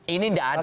ini nggak ada